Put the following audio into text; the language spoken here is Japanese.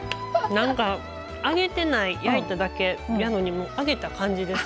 揚げてない焼いただけやのに揚げた感じです